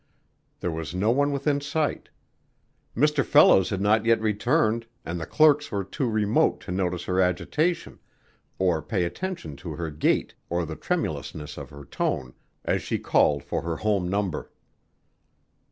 There was no one within sight. Mr. Fellows had not yet returned and the clerks were too remote to notice her agitation or pay attention to her gait or the tremulousness of her tone as she called for her home number.